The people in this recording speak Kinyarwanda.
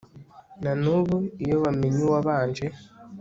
na n'ubu iyo bamenye uwabanje